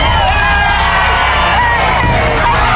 ร่วมพระเจ้า